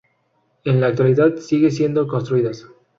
En la actualidad, siguen siendo construidas.